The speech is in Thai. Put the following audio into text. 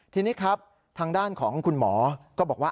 ทีนี้ครับทางด้านของคุณหมอก็บอกว่า